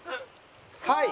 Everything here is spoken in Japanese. はい。